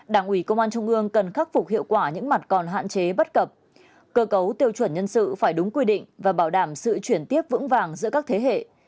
đảng ủy công an trung ương cần khắc phục hiệu quả những mặt còn hạn chế bất cập cơ cấu tiêu chuẩn nhân sự phải đúng quy định và bảo đảm sự chuyển tiếp vững vàng giữa các thế hệ